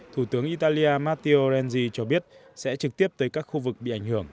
thủ tướng italia matteo renzi cho biết sẽ trực tiếp tới các khu vực bị ảnh hưởng